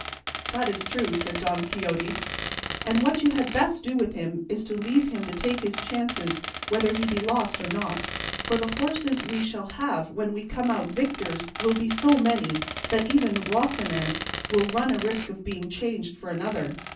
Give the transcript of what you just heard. "That is true," said Don Quixote, "and what you had best do with him is to leave him to take his chance whether he be lost or not, for the horses we shall have when we come out victors will be so many that even Rocinante will run a risk of being changed for another.